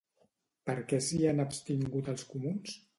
Per què s'hi han abstingut els comuns?